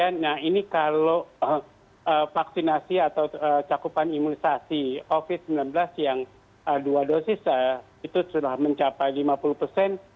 nah ini kalau vaksinasi atau cakupan imunisasi covid sembilan belas yang dua dosis itu sudah mencapai lima puluh persen